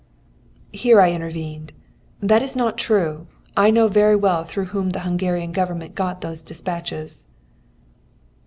'" Here I intervened: "That is not true; I know very well through whom the Hungarian Government got those despatches."